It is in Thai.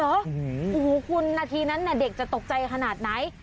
โอ้โหคุณนาทีนั้นเด็กจะตกใจขนาดไหน